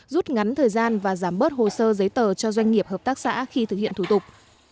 rút ngắn thời gian và giảm bớt hồ sơ giấy tờ cho doanh nghiệp hợp tác xã khi thực hiện thủ tục